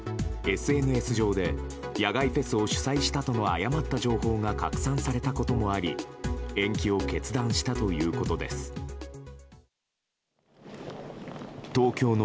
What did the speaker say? ＳＮＳ上で野外フェスを主催したとの誤った情報が拡散されたこともあり延期を決断したということです。